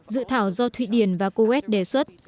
dự thảo do thụy điển và coet đề xuất